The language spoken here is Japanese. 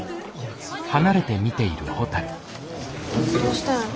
どうしたんやろ？